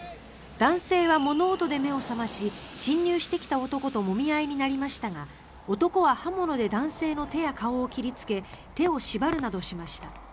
男性は物音で目を覚まし侵入してきた男ともみ合いになりましたが男は刃物で男性の手や顔を切りつけ手を縛るなどしました。